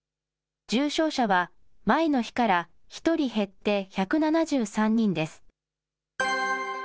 重症者は前の日から１人減って１７３人です。